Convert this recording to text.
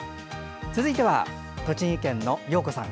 続いては栃木県の洋子さん。